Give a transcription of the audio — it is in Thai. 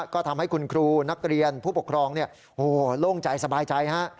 ก็ทำให้คุณครูนักเรียนผู้ปกครองโล่งใจสบายใจฮะ